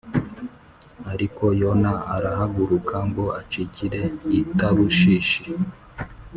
Ariko Yona arahaguruka ngo acikire i Tarushishi